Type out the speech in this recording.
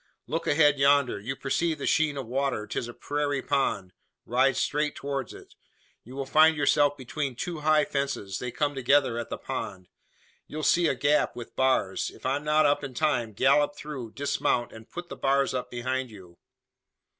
Look ahead yonder. You perceive the sheen of water. 'Tis a prairie pond. Ride straight towards it. You will find yourself between two high fences. They come together at the pond. You'll see a gap, with bars. If I'm not up in time, gallop through, dismount, and put the bars up behind you."